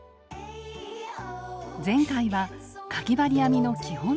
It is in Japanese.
前回はかぎ針編みの基本